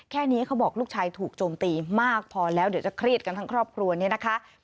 แค่นี้เขาบอกลูกชายถูกโจมตีมากพอแล้วเดี๋ยวจะเครียดกันทั้งครอบครัวเนี่ยนะคะ